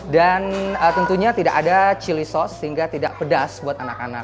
dan tentunya tidak ada chili sauce sehingga tidak pedas buat anak anak